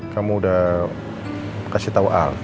kamu udah kasih tau ar